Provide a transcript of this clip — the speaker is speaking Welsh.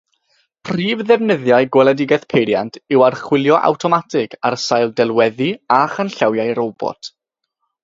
Prif ddefnyddiau gweledigaeth peiriant yw archwilio awtomatig ar sail delweddu a chanllawiau robot.